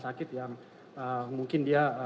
sakit yang mungkin dia